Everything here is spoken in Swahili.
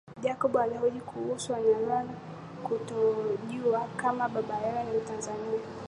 Jacob alihoji kuhusu na wanyarwanda kutokujua kama baba yao ni mtanzania